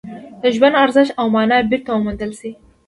د ژوند ارزښت او مانا بېرته وموندل شوه